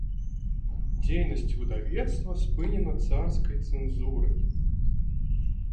Дзейнасць выдавецтва спынена царскай цэнзурай.